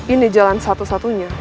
ini jalan satu satunya